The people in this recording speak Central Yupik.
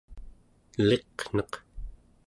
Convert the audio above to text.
eliqneq